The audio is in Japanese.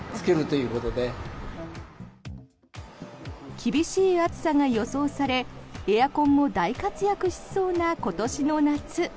厳しい暑さが予想されエアコンも大活躍しそうな今年の夏。